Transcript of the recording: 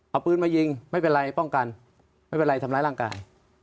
เอาปืนมายิงไม่เป็นไรป้องกันไม่เป็นไรทำร้ายร่างกาย